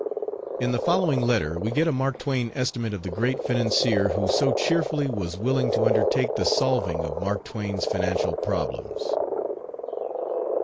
In the following letter we get a Mark Twain estimate of the great financier who so cheerfully was willing to undertake the solving of Mark Twain's financial problems.